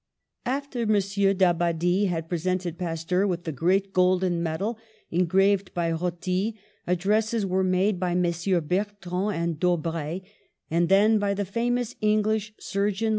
After M. d'Abbadie had presented Pasteur with the great golden medal engraved by Roty, addresses were made by Messrs. Bertrand and Daubree, and then by the famous English sur geon.